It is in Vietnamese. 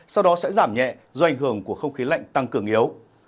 sau đó sẽ giảm nhẹ do ảnh hưởng của không khí lạnh tăng cường yếu